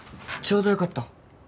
ちょうどよかった。